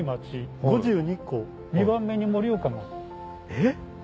えっ？